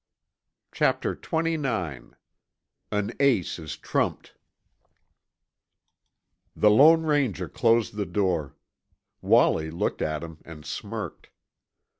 Chapter XXIX AN ACE IS TRUMPED The Lone Ranger closed the door. Wallie looked at him and smirked.